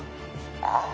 「ああ？」